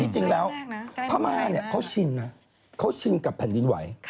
จริงแล้วพม่าเนี่ยเขาชินนะเขาชินกับแผ่นดินไหว